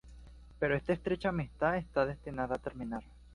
Pero esta estrecha amistad está destinada a terminar.